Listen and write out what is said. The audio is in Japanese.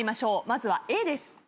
まずはＡです。